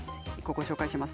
ご紹介します。